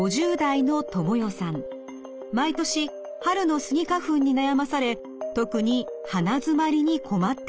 毎年春のスギ花粉に悩まされ特に鼻づまりに困っていました。